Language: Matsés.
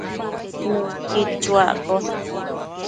Nënquid chuaccosh